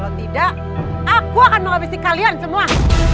kalau tidak aku akan menghabisi kalian semua